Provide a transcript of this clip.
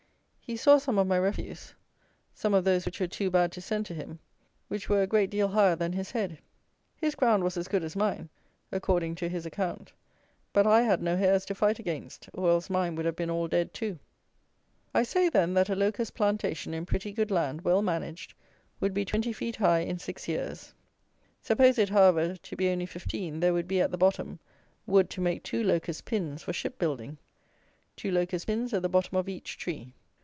He saw some of my refuse; some of those which were too bad to send to him, which were a great deal higher than his head. His ground was as good as mine, according to his account; but I had no hares to fight against; or else mine would have been all dead too. I say, then, that a locust plantation, in pretty good land, well managed, would be twenty feet high in six years; suppose it, however, to be only fifteen, there would be, at the bottom, wood to make two locust PINS for ship building; two locust pins at the bottom of each tree.